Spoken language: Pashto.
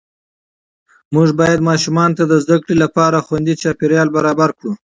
موږ باید ماشومانو ته د زده کړې لپاره خوندي چاپېریال برابر کړو